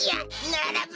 ならば！